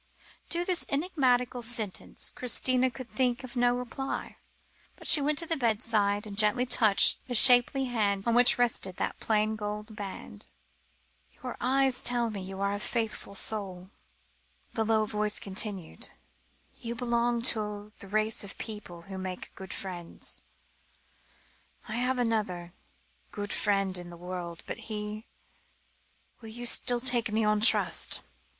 To this enigmatical sentence Christina could think of no reply, but she went to the bedside, and gently touched the shapely hand on which rested that plain gold ring. "Your eyes tell me you are a faithful soul," the low voice continued; "you belong to the race of people who make good friends. I have another good friend in the world, but he will you still take me on trust?"